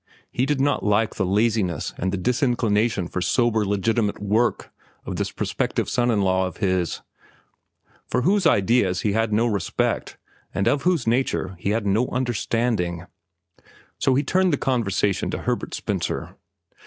He did not like the laziness and the disinclination for sober, legitimate work of this prospective son in law of his, for whose ideas he had no respect and of whose nature he had no understanding. So he turned the conversation to Herbert Spencer.